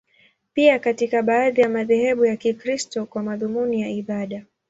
Pia katika baadhi ya madhehebu ya Kikristo, kwa madhumuni ya ibada.